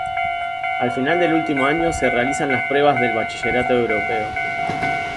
Al final del último año se realizan las pruebas del Bachillerato Europeo.